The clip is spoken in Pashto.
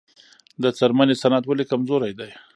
د څرمنې صنعت ولې کمزوری دی؟